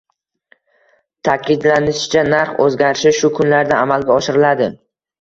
Ta`kidlanishicha, narx o'zgarishi shu kunlarda amalga oshiriladi